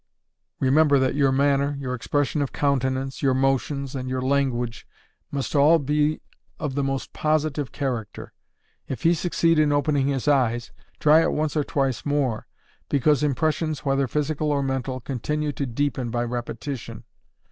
_ Remember, that your manner, your expression of countenance, your motions, and your language must all be of the most positive character. If he succeed in opening his eyes, try it once or twice more, because impressions, whether physical or mental, continue to deepen by repetition.